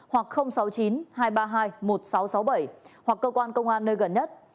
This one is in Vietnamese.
hoặc sáu mươi chín hai trăm ba mươi hai một nghìn sáu trăm sáu mươi bảy hoặc cơ quan công an nơi gần nhất